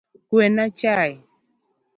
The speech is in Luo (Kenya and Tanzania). Kwena chai